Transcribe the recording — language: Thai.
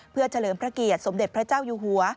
เพื่อเฉลิมพระเกียรติสมเด็จพระเจ้าอยู่หัว